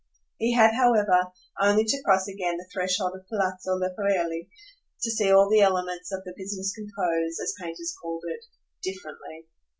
He had however only to cross again the threshold of Palazzo Leporelli to see all the elements of the business compose, as painters called it, differently.